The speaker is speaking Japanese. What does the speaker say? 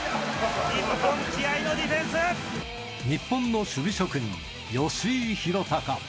日本の守備職人、吉井裕鷹。